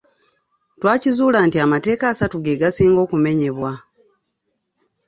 Twakizuula nti amateeka asatu ge gasinga okumenyebwa.